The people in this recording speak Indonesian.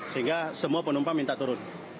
sehingga semua penumpang minta turun